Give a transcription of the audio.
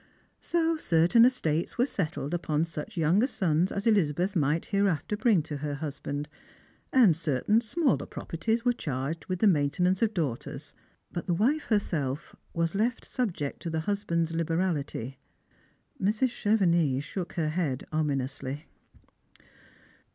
So certain estates were settled upon such younger sons as Elizabeth might hereafter bring to her husband, and certain smaller pro perties were charged with the maintenance of daughters; but the wife herself was left subject to the husband's liberality. Mrs. Chevenix shook her head ominously.